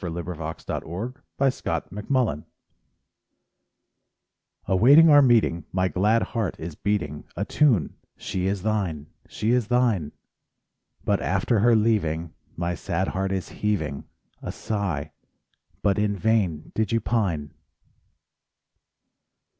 40 ] SONGS AND DREAMS Before and After Awaiting our meeting My glad heart is beating A tune: "She is thine, she is thine!" But after her leaving My sad heart is heaving A sigh: "But in vain did you pine!"